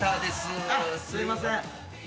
あっすいません。